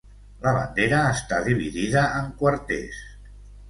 La bandera està dividida en quarters.